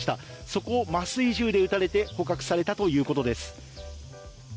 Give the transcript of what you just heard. そこを麻酔銃で撃たれて捕獲されたということです。